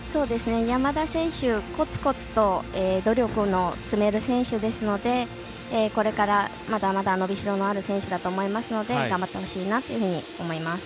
山田選手、こつこつと努力を積める選手ですのでこれからまだまだ伸びしろのある選手だと思いますので頑張ってほしいなというふうに思います。